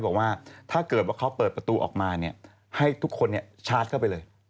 บอกว่าถ้าเกิดว่าเขาเปิดประตูออกมาให้ทุกคนชาร์จเข้าไปเลย